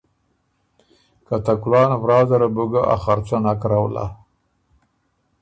که ته کُلان ورا زره بو ګۀ ا خرڅه نک رؤلا،